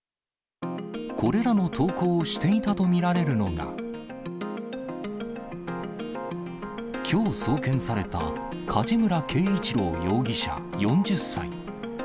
これらの投稿をしていたと見られるのが、きょう送検された、梶村圭一郎容疑者４０歳。